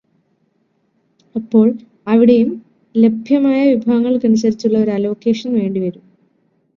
അപ്പോൾ, അവിടെയും ലഭ്യമായ വിഭവങ്ങൾക്കനുസരിച്ചുള്ള ഒരു അലോക്കേഷൻ വേണ്ടി വരും.